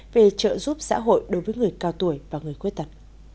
về trợ giúp xã hội đối với người cao tuổi và người khuyết tật